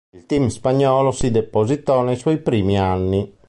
Il team spagnolo si depositò nei suoi primi anni.